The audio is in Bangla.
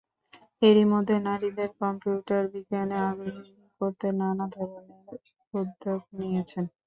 এরই মধ্যে নারীদের কম্পিউটার বিজ্ঞানে আগ্রহী করতে নানা ধরনের উদ্যোগ নিয়েছেন।